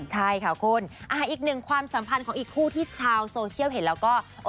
ใช่ค่ะคุณอีกหนึ่งความสัมพันธ์ของอีกคู่ที่ชาวโซเชียลเห็นแล้วก็